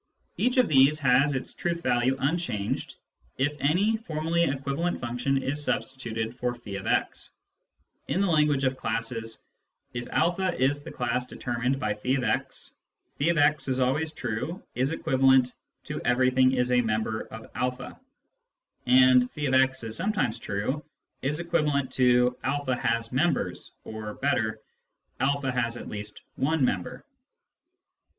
Each of these has its truth value unchanged if any formally equivalent function is substituted for </>x. In the language of classes, if a is the class determined by <j>x, " </>x is always true " is equivalent to " everything is a member of a," and " if>x is sometimes true " is equivalent to " a has members " or (better) " a has at least one member."